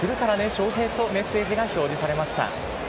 ショウヘイとメッセージが表示されました。